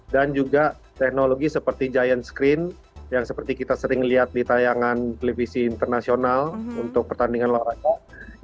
dan juga teknologi seperti giant screen yang seperti kita sering lihat di tayangan televisi internasional untuk pertandingan olahraga